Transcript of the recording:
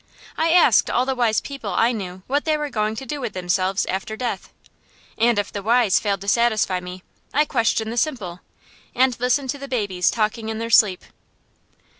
I asked all the wise people I knew what they were going to do with themselves after death; and if the wise failed to satisfy me, I questioned the simple, and listened to the babies talking in their sleep.